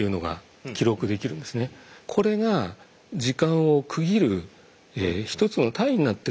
これが時間を区切る一つの単位になってる。